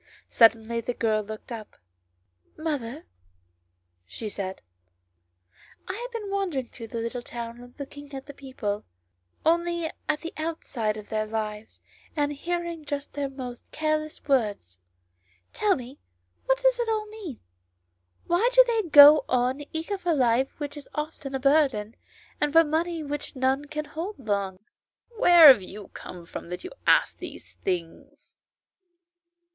Suddenly the girl looked up. "Mother," she said, "I have been wandering through the little town looking at the people, only 70 ANYHOW STORIES. [STORY at the outside of their lives, and hearing just their most careless words. Tell me, what does it all mean ? Why do they go on eager for life which is often a burden, and for money which none can hold long ?"" Where have you come from that you ask these things?"